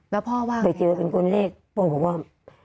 แล้วพ่อว่าแปลว่า